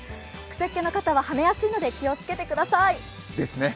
くせっ毛の方は、はねやすいので気をつけてください。